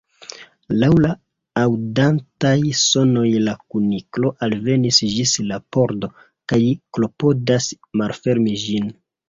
Laŭ la aŭdataj sonoj la Kuniklo alvenis ĝis la pordo, kaj klopodadas malfermi ĝin.